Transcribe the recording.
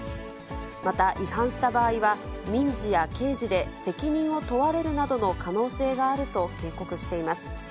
また、違反した場合は、民事や刑事で責任を問われるなどの可能性があると警告しています。